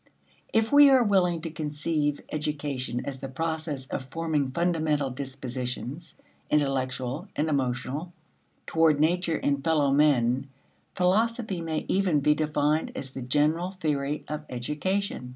If we are willing to conceive education as the process of forming fundamental dispositions, intellectual and emotional, toward nature and fellow men, philosophy may even be defined as the general theory of education.